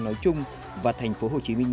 nói chung và thành phố hồ chí minh